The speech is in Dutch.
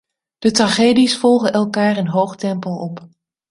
De tragedies volgen elkaar in hoog tempo op.